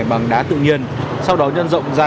bằng đá tự nhiên sau đó nhân rộng ra